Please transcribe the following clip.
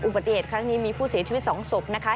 อุบัติเหตุครั้งนี้มีผู้เสียชีวิต๒ศพนะคะ